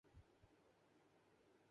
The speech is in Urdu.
عشق وغیرہ کا بھی ذکر ہو تو سلیقے سے۔